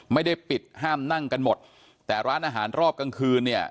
ไม่ได้ปิดห้ามนั่งกันหมดแต่ร้านอาหารรอบกลางคืนเนี่ย